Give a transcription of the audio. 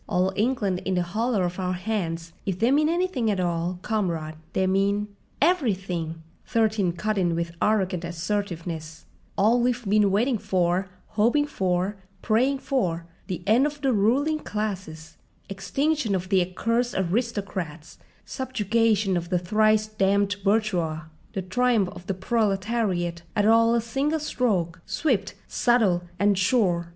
"'All England in the hollow of our hands!' If they mean anything at all, comrade, they mean—" "Everything!" Thirteen cut in with arrogant assertiveness; "all we've been waiting for, hoping for, praying for—the end of the ruling classes, extinction of the accursed aristocrats, subjugation of the thrice damned bourgeois, the triumph of the proletariat, all at a single stroke, swift, subtle, and sure!